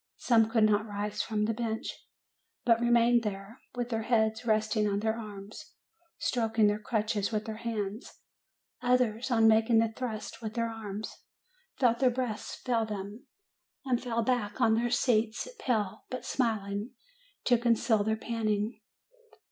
Some could not rise from the bench, but remained there, with their heads resting on their arms, stroking their crutches with their hands ; others, on making the thrust with their arms, felt their breath fail them, and fell back on their seats, pale, but smiling to conceal their panting.